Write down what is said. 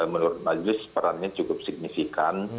menurut majelis perannya cukup signifikan